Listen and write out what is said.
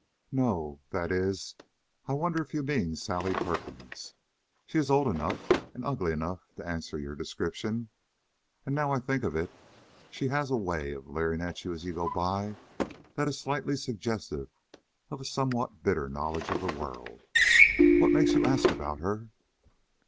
"No; that is, I wonder if you mean Sally Perkins. She is old enough and ugly enough to answer your description; and, now I think of it, she has a way of leering at you as you go by that is slightly suggestive of a somewhat bitter knowledge of the world. What makes you ask about her?"